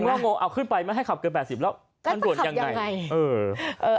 งงเอาขึ้นไปไม่ให้ขับเกิน๘๐แล้วมันด่วนยังไง